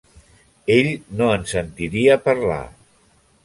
Ell no en sentiria parlar.